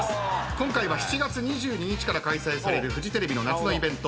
今回は７月２２日から開催されるフジテレビの夏のイベント